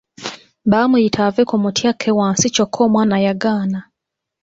Baamuyita ave ku muti akke wansi kyokka omwana yagaana.